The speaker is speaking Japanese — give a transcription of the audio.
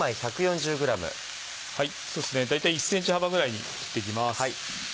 大体１ｃｍ幅ぐらいに切っていきます。